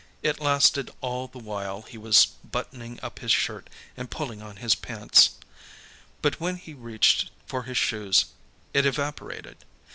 It lasted all the while he was buttoning up his shirt and pulling on his pants, but when he reached for his shoes, it evaporated.